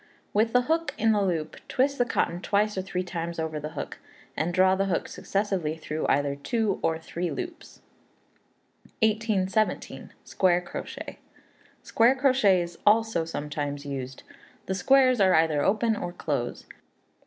With the hook in a loop, twist the cotton twice or three times over the hook, and draw the hook successively through either two or three loops. 1817. Square Crochet. Square crochet is also sometimes used. The squares are either open or close.